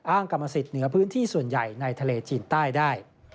กรรมสิทธิ์เหนือพื้นที่ส่วนใหญ่ในทะเลจีนใต้ได้